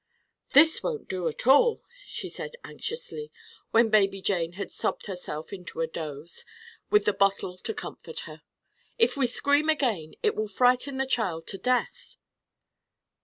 "This won't do, at all," she said anxiously, when baby Jane had sobbed herself into a doze, with the bottle to comfort her. "If we scream again it will frighten the child to death."